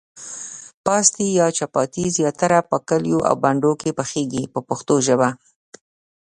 پاستي یا چپاتي زیاتره په کلیو او بانډو کې پخیږي په پښتو ژبه.